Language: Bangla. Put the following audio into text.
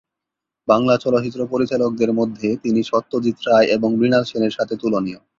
বাংলা চলচ্চিত্র পরিচালকদের মধ্যে তিনি সত্যজিৎ রায় এবং মৃণাল সেনের সাথে তুলনীয়।